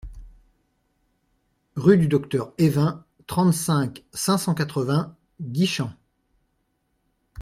Rue du Docteur Even, trente-cinq, cinq cent quatre-vingts Guichen